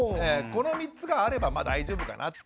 この３つがあればまあ大丈夫かなと。